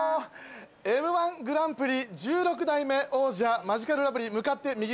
Ｍ−１グランプリ１６代目王者マヂカルラブリー。